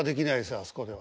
あそこでは。